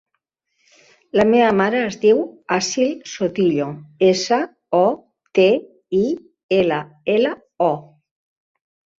La meva mare es diu Assil Sotillo: essa, o, te, i, ela, ela, o.